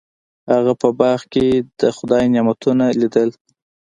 هغه په باغ کې د خدای نعمتونه لیدل.